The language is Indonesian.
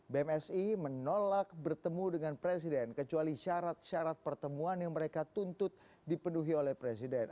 bmsi menolak bertemu dengan presiden kecuali syarat syarat pertemuan yang mereka tuntut dipenuhi oleh presiden